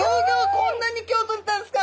こんなに今日とれたんですか！